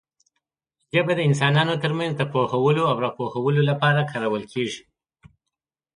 ژبه د انسانانو ترمنځ د پوهولو او راپوهولو لپاره کارول کېږي.